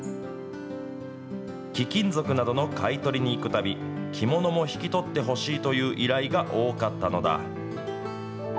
貴金属などの買い取りに行くたび、着物も引き取ってほしいという依頼が多かったのだ。